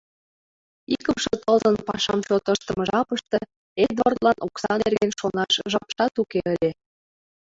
Икымше тылзын пашам чот ыштыме жапыште Эдвардлан окса нерген шонаш жапшат уке ыле.